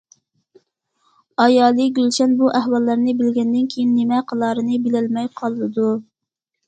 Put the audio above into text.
ئايالى گۈلشەن بۇ ئەھۋاللارنى بىلگەندىن كېيىن نېمە قىلارىنى بىلەلمەي قالىدۇ.